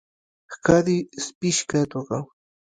ښکاري سپي شکایت وکړ.